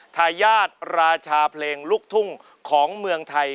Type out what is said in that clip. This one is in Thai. ทายาทราชาเพลงลูกทุ่งของเมืองไทย